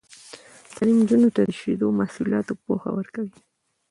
تعلیم نجونو ته د شیدو محصولاتو پوهه ورکوي.